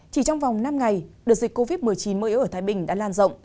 chỉ trong vòng năm ngày đợt dịch covid một mươi chín mơ yếu ở thái bình đã lan rộng